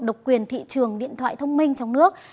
độc quyền thị trường điện thoại thông minh trong nước